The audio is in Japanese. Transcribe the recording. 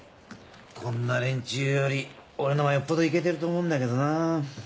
こんな連中より俺のほうがよっぽどいけてると思うんだけどなぁ。